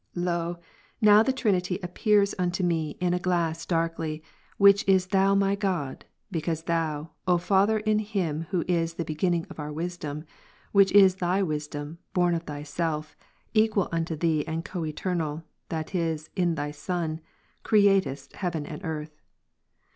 Lo, now the Trinity appears unto me in a glass darkly, which is Thou my God, because Thou, O Father, in Him Who is the Beginning of our wisdom. Which is Thy Wisdom, born of Thyself, equal unto Thee and coeternal, that is, in Thy Son, createdst heaven and earth.